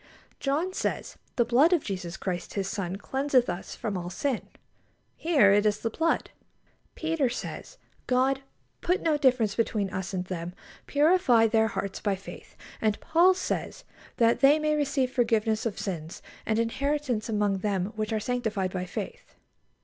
John says: "The blood of Jesus Christ His Son cleanseth us from all sin." Here it is the blood. Peter says: "God...put no difference between us and them, purifying their hearts by faith." And Paul says: "That they may receive forgiveness of sins, and inheritance among them which are sanctified by faith."